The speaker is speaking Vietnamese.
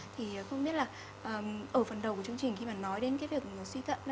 thì không biết là ở phần đầu của chương trình khi mà nói đến cái việc suy thận